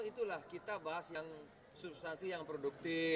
itulah kita bahas yang substansi yang produktif